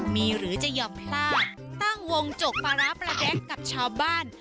มีหรือจะหย่อมลาดตั้งวงจกปราประแดกกับชาวบ้าน